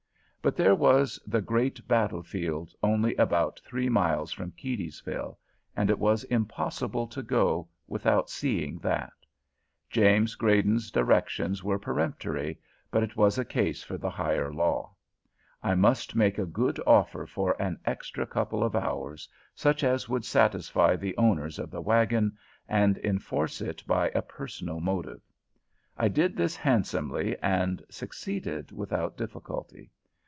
But there was the great battle field only about three miles from Keedysville, and it was impossible to go without seeing that. James Grayden's directions were peremptory, but it was a case for the higher law. I must make a good offer for an extra couple of hours, such as would satisfy the owners of the wagon, and enforce it by a personal motive. I did this handsomely, and succeeded without difficulty.